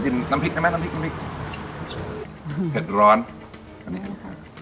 เดี๋ยวขอชิมน้ำพริกได้ไหม